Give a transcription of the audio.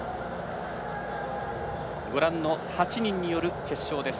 ご覧の８人による決勝です。